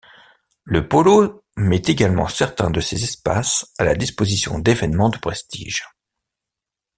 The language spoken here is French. Le Polo met également certains de ses espaces à la disposition d'évènements de prestige.